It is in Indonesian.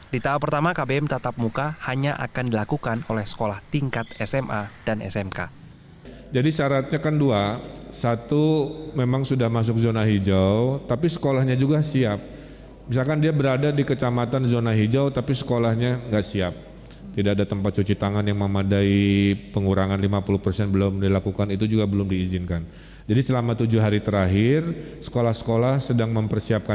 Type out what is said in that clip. di tahap pertama kbm tatap muka hanya akan dilakukan oleh sekolah tingkat sma dan smk